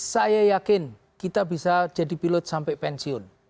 saya yakin kita bisa jadi pilot sampai pensiun